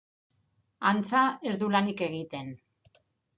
Antza, ez du lanik egiten.